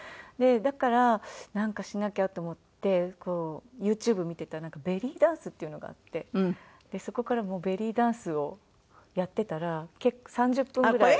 だからなんかしなきゃと思ってユーチューブ見てたらベリーダンスっていうのがあってそこからもうベリーダンスをやってたら結構３０分ぐらい。